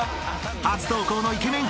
［初登校のイケメン